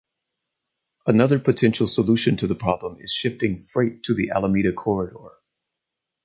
Another potential solution to the problem is shifting freight to the Alameda Corridor.